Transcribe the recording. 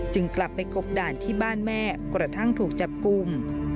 กลับไปกบด่านที่บ้านแม่กระทั่งถูกจับกลุ่ม